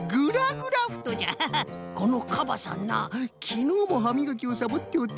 このカバさんなきのうもはみがきをサボっておった。